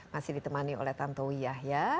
masih ditemani oleh tanto wiyah ya